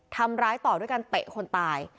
ทำร้ายต่อด้วยการเตะคนตาย